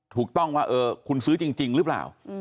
ถูกต้องว่าคุณซื้อจริงหรือเปล่า